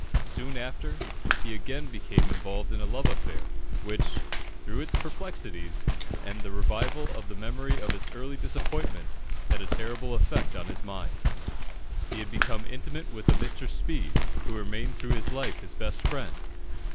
Soon after, he again became involved in a love affair, which, through its perplexities and the revival of the memory of his early disappointment, had a terrible effect upon his mind. He had become intimate with a Mr. Speed, who remained through life his best friend.